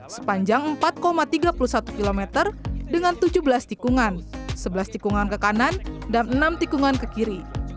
sepanjang empat tiga puluh satu km dengan tujuh belas tikungan sebelas tikungan ke kanan dan enam tikungan ke kiri